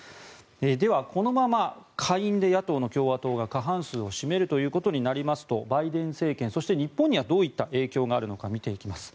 ではこのまま下院で野党の共和党が過半数を占めるということになりますとバイデン政権そして、日本にはどういった影響があるのか見ていきます。